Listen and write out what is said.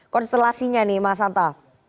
konstelasinya nih mas anta